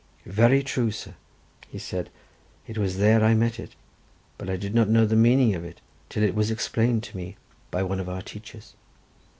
"Very true, sir," said he, "it was there I met it, but I did not know the meaning of it, till it was explained to me by one of our teachers."